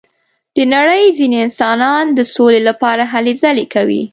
د نړۍ ځینې انسانان د سولې لپاره هلې ځلې کوي.